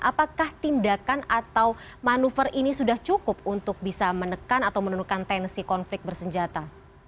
apakah tindakan atau manuver ini sudah cukup untuk bisa menekan atau menurunkan tensi konflik bersenjata